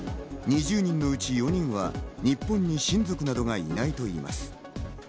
２０人のうち４人は日本に親族などはいないと言います。